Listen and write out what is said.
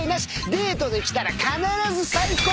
デートで来たら必ず最高の。